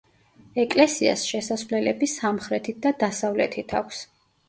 ეკლესიას შესასვლელები სამხრეთით და დასავლეთით აქვს.